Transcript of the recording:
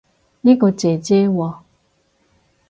呢個姐姐喎